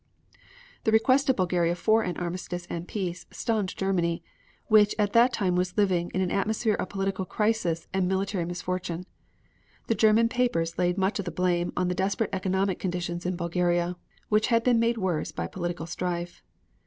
The request of Bulgaria for an armistice and peace, stunned Germany, which at that time was living in an atmosphere of political crisis and military misfortune. The German papers laid much of the blame on the desperate economic conditions in Bulgaria, which had been made worse by political strife.